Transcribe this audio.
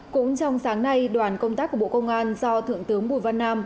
cũng trong sáng nay đoàn công tác của bộ công an do thượng tướng bùi văn nam